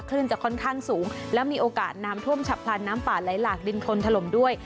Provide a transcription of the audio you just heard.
จะค่อนข้างสูงและมีโอกาสน้ำท่วมฉับพลันน้ำป่าไหลหลากดินทนถล่มด้วย